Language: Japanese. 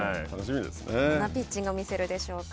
どんなピッチングを見せるでしょうか。